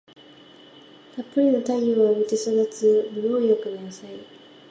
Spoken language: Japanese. たっぷりの太陽を浴びて育つ無農薬の野菜